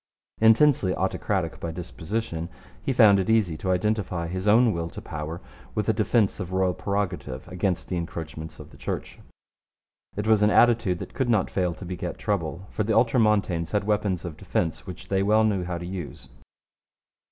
Intensely autocratic by disposition, he found it easy to identify his own will to power with a defence of royal prerogative against the encroachments of the Church. It was an attitude that could not fail to beget trouble, for the Ultramontanes had weapons of defence which they well knew how to use.